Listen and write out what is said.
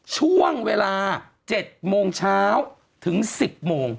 ช่วงเวลา๗โมงเช้าถึง๑๐โมง